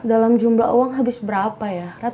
dalam jumlah uang habis berapa ya